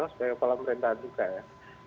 sebagai kepala pemerintahan juga ya